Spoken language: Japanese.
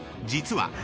［実は］